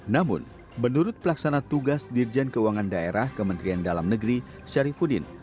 namun menurut pelaksana tugas dirjen keuangan daerah kementerian dalam negeri syarifudin